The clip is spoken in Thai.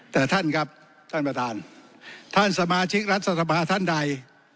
แต่ท่านครับท่านประธานท่านสมาชิกรัฐสภาท่านใด